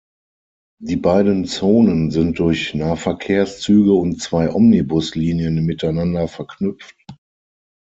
Die beiden Zonen sind durch Nahverkehrszüge und zwei Omnibuslinien miteinander verknüpft.